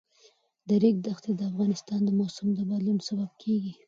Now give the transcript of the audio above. د ریګ دښتې د افغانستان د موسم د بدلون سبب کېږي.